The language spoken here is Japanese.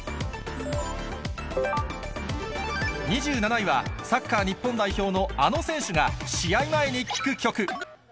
２７位は、サッカー日本代表のあの選手が試合前に聴く曲。